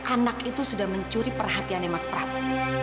anak itu sudah mencuri perhatiannya mas prabu